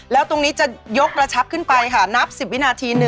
แล้วตรงนี้จะยกระชับขึ้นไปค่ะนับ๑๐วินาที๑